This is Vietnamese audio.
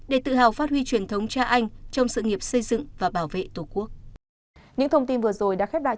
để tự hào phát huy truyền thống cha anh trong sự nghiệp xây dựng và bảo vệ tổ quốc